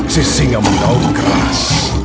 si singa mendorong keras